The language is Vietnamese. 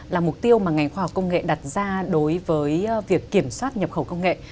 là mục tiêu mà ngành khoa học công nghệ đặt ra đối với việc kiểm soát nhập khẩu công nghệ